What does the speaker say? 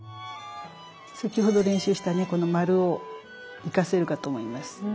先ほど練習したねこの丸を生かせるかと思います。